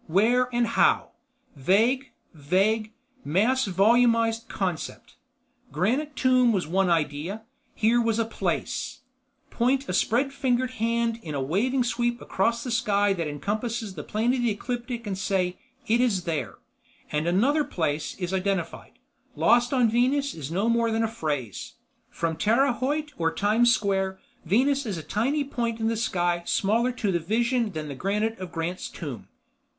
Where and how. Vague, vague, mass volumized concept. Granite tomb was one idea, here was a place. Point a spread fingered hand in a waving sweep across the sky that encompasses the Plane of The Ecliptic and say, "It is there," and another place is identified. Lost on Venus is no more than a phrase; from Terra Haute or Times Square, Venus is a tiny point in the sky smaller to the vision than the granite of Grant's Tomb.